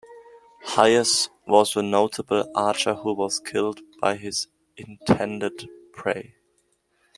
Hyas was a notable archer who was killed by his intended prey.